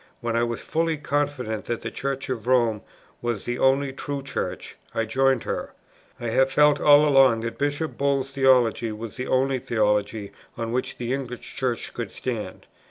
When I was fully confident that the Church of Rome was the only true Church, I joined her. "I have felt all along that Bp. Bull's theology was the only theology on which the English Church could stand.